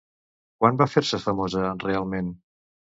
Quan va fer-se famosa realment?